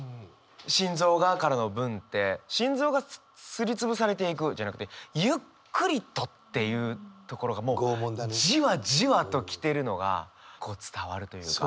「心臓が」からの文って「心臓が、すり潰されてゆく」じゃなくて「ゆっくりと」っていうところがもうじわじわときてるのが伝わるというか。